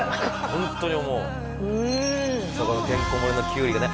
ホントに思うそうこのてんこ盛りのキュウリがね